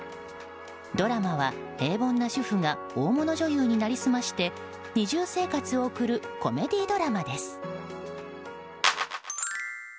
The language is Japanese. ドラマは平凡な主婦が大物女優になりすまして二重生活を送るコメディードラマです。